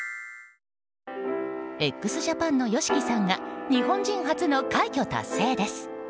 ＸＪＡＰＡＮのＹＯＳＨＩＫＩさんが日本人初の快挙達成です。